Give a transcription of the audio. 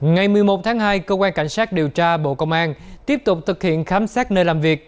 ngày một mươi một tháng hai cơ quan cảnh sát điều tra bộ công an tiếp tục thực hiện khám xét nơi làm việc